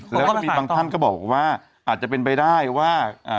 แล้วก็มีบางท่านก็บอกว่าอาจจะเป็นไปได้ว่า